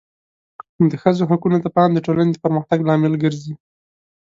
د ښځو حقونو ته پام د ټولنې د پرمختګ لامل ګرځي.